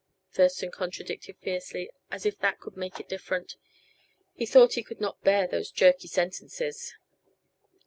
Thurston contradicted fiercely, as if that could make it different. He thought he could not bear those jerky sentences.